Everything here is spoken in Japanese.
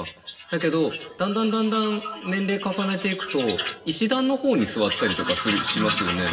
だけどだんだんだんだん年齢重ねていくと石段の方に座ったりとかしますよね。